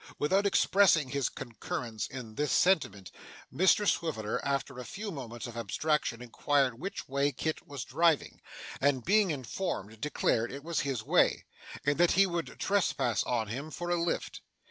Without expressing his concurrence in this sentiment, Mr Swiveller after a few moments of abstraction inquired which way Kit was driving, and, being informed, declared it was his way, and that he would trespass on him for a lift.